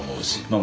あ